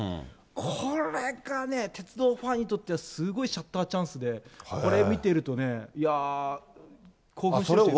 これがね、鉄道ファンにとってはすごいシャッターチャンスで、これ見てるとね、いやー、興奮する人いる。